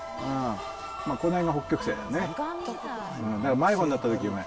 この辺が北極星だね。